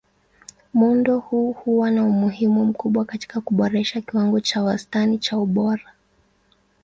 Muundo huu huwa na umuhimu mkubwa katika kuboresha kiwango cha wastani cha ubora.